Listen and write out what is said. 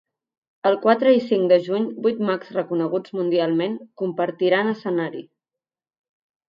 El quatre i cinc de juny vuit mags reconeguts mundialment compartiran escenari.